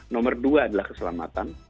nomor dua adalah keselamatan